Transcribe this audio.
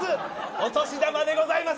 お年玉でございます！